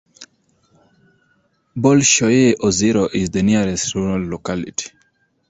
Bolshoye Ozero is the nearest rural locality.